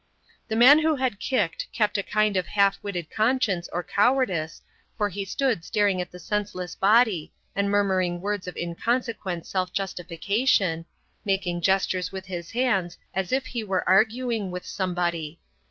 The man who had kicked kept a kind of half witted conscience or cowardice, for he stood staring at the senseless body and murmuring words of inconsequent self justification, making gestures with his hands as if he were arguing with somebody.